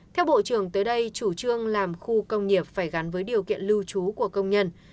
theo bộ trưởng tới đây chủ trương làm khu công nghiệp phải gắn với điều kiện lưu trú của công nhân